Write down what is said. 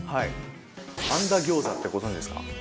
按田餃子ってご存じですか？